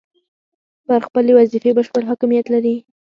پر خپلې وظیفې بشپړ حاکمیت لري.